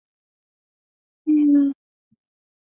石虎于石勒去世后杀石弘自立为天王。